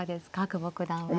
久保九段は。